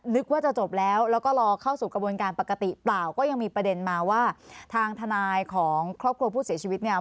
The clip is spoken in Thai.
นึกว่าจะจบแล้วแล้วก็รอเข้าสู่กระบวนการปกติเปล่าก็ยังมีประเด็นมาว่าทางทนายของครอบครัวผู้เสียชีวิตเนี่ย